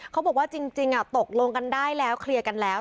เขาบอกว่าจริงตกลงกันได้แล้วเคลียร์กันแล้ว